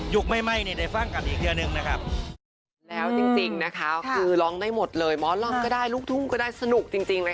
ยุคไม่ได้ฟังกันอีกเดือนึงนะครับ